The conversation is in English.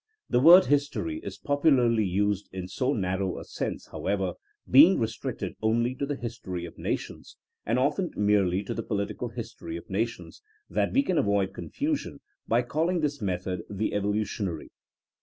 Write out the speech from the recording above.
The word history is i)opularly used in so narrow a sense, however, being re stricted only to the history of nations, and often merely to the political history of nations, that we can avoid confusion by calling this method the evolutionary.